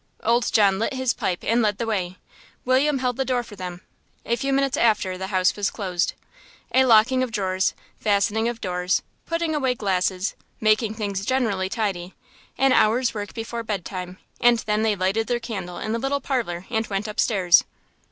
Old John lit his pipe and led the way. William held the door for them. A few minutes after the house was closed. A locking of drawers, fastening of doors, putting away glasses, making things generally tidy, an hour's work before bed time, and then they lighted their candle in the little parlour and went upstairs.